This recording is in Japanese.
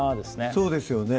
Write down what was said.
そうですよね